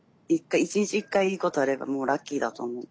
一日一回いいことあればもうラッキーだと思う。